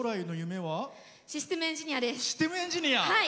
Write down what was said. システムエンジニアです！